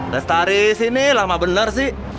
restoris ini lama bener sih